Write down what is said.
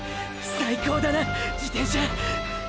最高だな自転車！！